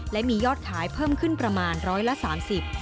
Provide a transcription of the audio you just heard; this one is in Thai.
และมียอดขายเพิ่มขึ้นประมาณร้อยละสามสิบ